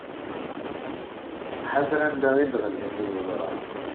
Ḥader anda i d-ɣellin yiẓra.